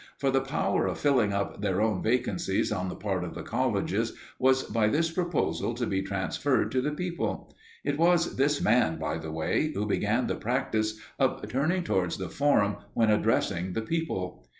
For the power of filling up their own vacancies on the part of the colleges was by this proposal to be transferred to the people. It was this man, by the way, who began the practice of turning towards the forum when addressing the people.